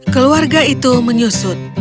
keluarga itu menyusut